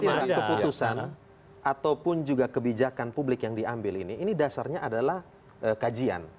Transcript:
artinya keputusan ataupun juga kebijakan publik yang diambil ini ini dasarnya adalah kajian